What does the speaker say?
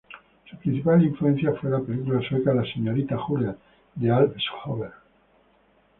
Su principal influencia fue la película sueca "La señorita Julia" de Alf Sjöberg.